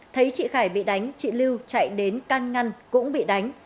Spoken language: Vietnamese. thấy chị khải bị đánh chị lưu chạy đến can ngăn cũng bị đánh